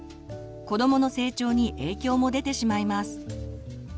子どもの成長に影響も出てしまいます。